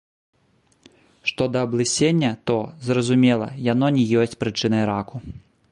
Што да аблысення, то, зразумела, яно не ёсць прычынай раку.